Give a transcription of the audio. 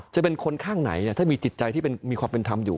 จะเป็นคนข้างไหนถ้ามีจิตใจที่มีความเป็นธรรมอยู่